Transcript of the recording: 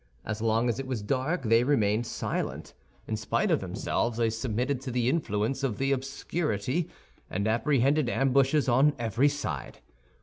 As long as it was dark they remained silent; in spite of themselves they submitted to the influence of the obscurity, and apprehended ambushes on every side.